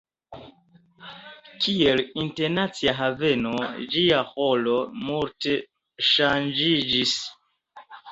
Kiel internacia haveno, ĝia rolo multe ŝanĝiĝis.